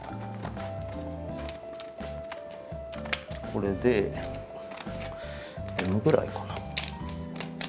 これでＭぐらいかな？